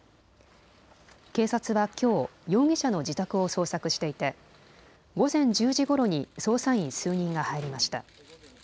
警察はきょう容疑者の自宅を捜索していて午前１０時ごろに捜査員数人が入りました。